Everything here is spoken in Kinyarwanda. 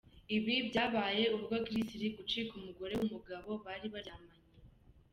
Ibi byabaye ubwo Grisly gucika umugore w’umugabo bari baryamanye.